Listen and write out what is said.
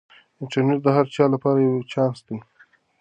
انټرنیټ د هر چا لپاره یو چانس دی.